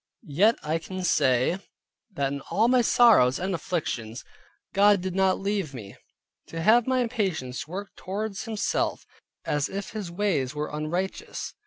Yet I can say, that in all my sorrows and afflictions, God did not leave me to have my impatience work towards Himself, as if His ways were unrighteous.